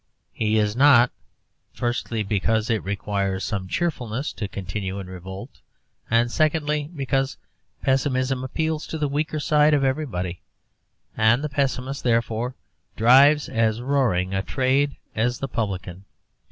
He is not. Firstly, because it requires some cheerfulness to continue in revolt, and secondly, because pessimism appeals to the weaker side of everybody, and the pessimist, therefore, drives as roaring a trade as the publican.